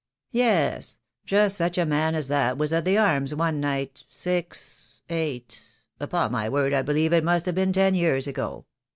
Yes, just such a man as that was at the Arms one night — six — eight — upon my word I be lieve it must have been ten years ago.